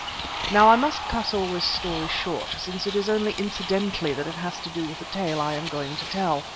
Now I must cut all this story short, since it is only incidentally that it has to do with the tale I am going to tell.